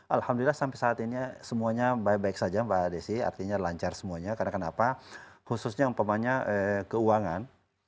alhamdulillah sampai saat ini semuanya baik baik saja mbak desi artinya lancar semuanya karena kenapa khususnya umpamanya keuangan